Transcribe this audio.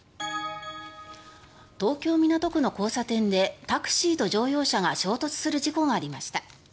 東京・港区の交差点でタクシーと乗用車が衝突する事故がありました。